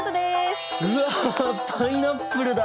うわパイナップルだ！